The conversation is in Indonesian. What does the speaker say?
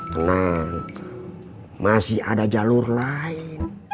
tenang masih ada jalur lain